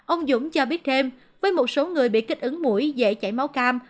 ông dũng cho biết thêm với một số người bị kích ứng mũi dễ chảy máu cam